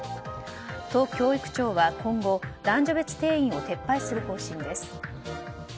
都教育庁は今後男女別定員を撤廃する方針です。